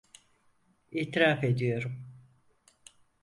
İtiraf ediyorum.